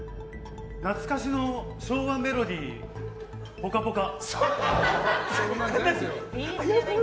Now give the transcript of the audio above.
懐かしの昭和メロディーぽかぽか。